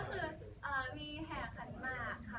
ก็คือมีแห่ขันหมากค่ะ